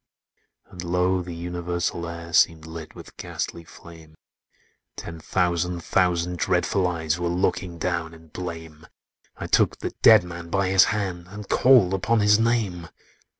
"And lo! the universal air Seemed lit with ghastly flame; Ten thousand thousand dreadful eyes Were looking down in blame: I took the dead man by his hand, And called upon his name!